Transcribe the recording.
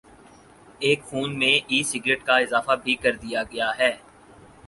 ایک فون میں "e cigarette" کا اضافہ بھی کر دیا گیا ہے